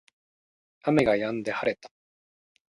雨が止んで晴れた